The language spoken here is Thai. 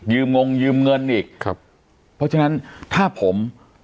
งงยืมเงินอีกครับเพราะฉะนั้นถ้าผม